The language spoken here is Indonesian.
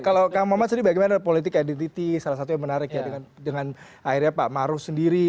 kalau kang mohamad bagaimana politik identity salah satu yang menarik ya dengan dengan akhirnya pak maru sendiri